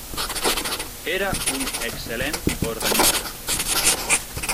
Era un excel·lent organista.